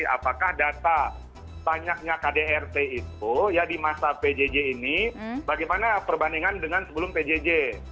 apakah data banyaknya kdrt itu ya di masa pjj ini bagaimana perbandingan dengan sebelum pjj